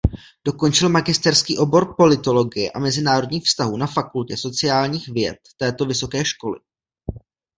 Dokončil magisterský obor politologie a mezinárodních vztahů na Fakultě sociálních věd této vysoké školy.